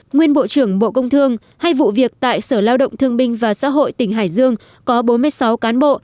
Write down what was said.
nguyên bộ trưởng bộ công thương hay vụ việc tại sở lao động thương binh và xã hội tỉnh hải dương có bốn mươi sáu cán bộ